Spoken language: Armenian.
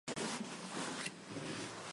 Ամուսնացած է, ունի երկու դուստր։